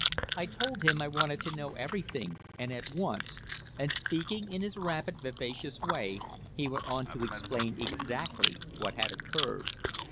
I told him I wanted to know everything, and at once, and, speaking in his rapid, vivacious way, he went on to explain exactly what had occurred.